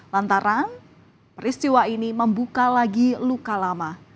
lantaran peristiwa ini membuka lagi luka lama